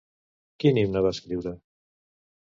Quin himne va escriure?